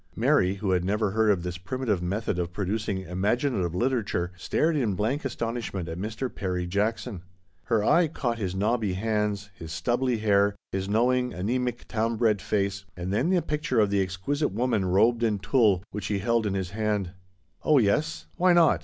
Mary, who had never heard of this primi tive method of producing imaginative litera ture, stared in blank astonishment at Mr. Perry Jackson. Her eye caught his knobby hands, his stubbly hair, his knowing, amenric, town bred face, and then the picture of the exquisite woman robed in tulle which he held in his hand. And then she smiled. " Oh, yes. Why not